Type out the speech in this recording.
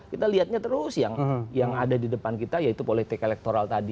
kita lihatnya terus yang ada di depan kita yaitu politik elektoral tadi